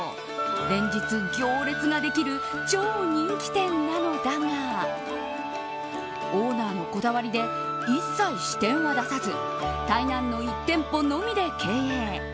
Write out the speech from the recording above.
連日、行列ができる超人気店なのだがオーナーのこだわりで一切、支店は出さず台南の１店舗のみで経営。